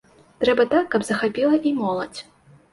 Трэба так, каб захапіла і моладзь.